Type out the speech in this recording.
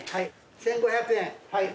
１，５００円はい。